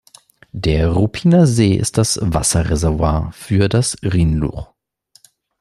Der Ruppiner See ist das Wasserreservoir für das Rhinluch.